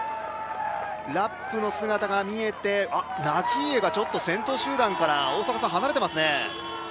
ラップの姿が見えてナギーエがちょっと先頭集団から離れていますね。